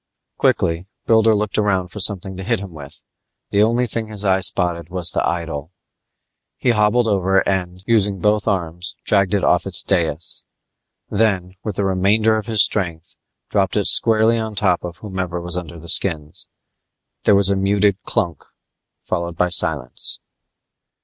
Quickly Builder looked around for something to hit him with. The only thing his eye spotted was the idol. He hobbled over and, using both arms, dragged it off its dias. Then, with the remainder of his strength, dropped it squarely on top of whomever was under the skins. There was a muted clunk followed by silence.